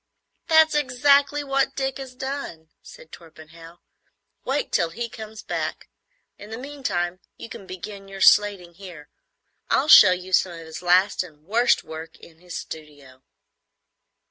"That's exactly what Dick has done," said Torpenhow. "Wait till he comes back. In the meantime, you can begin your slating here. I'll show you some of his last and worst work in his studio."